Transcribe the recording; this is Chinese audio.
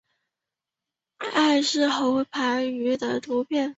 艾氏喉盘鱼的图片